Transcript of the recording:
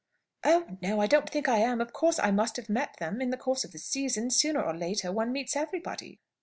"Oh! no; I don't think I am. Of course I must have met them. In the course of the season, sooner or later, one meets everybody."